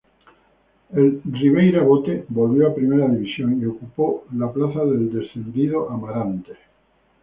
El Ribeira Bote volvió a primera división y ocupó la plaza del descendido Amarante.